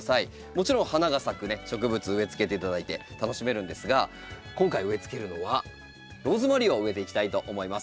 もちろん花が咲く植物植え付けていただいて楽しめるんですが今回植え付けるのはローズマリーを植えていきたいと思います。